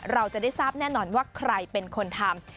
เราจะได้ทราบแน่นอนว่าใครเป็นคนทำ